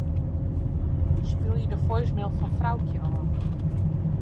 Spylje de voicemail fan Froukje ôf.